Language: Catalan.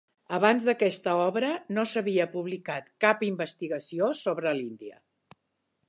Abans d'aquesta obra no s'havia publicat cap investigació sobre l'Índia.